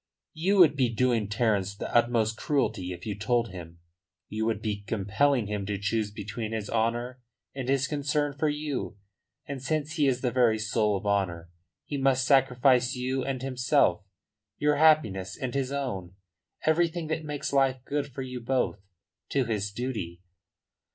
"You would be doing Terence the utmost cruelty if you told him. You would be compelling him to choose between his honour and his concern for you. And since he is the very soul of honour, he must sacrifice you and himself, your happiness and his own, everything that makes life good for you both, to his duty."